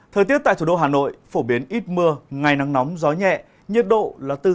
thời tiết tại thủ đô hà nội phổ biến ít mưa ngày nắng nóng gió nhẹ nhiệt độ là từ hai mươi bốn ba mươi sáu độ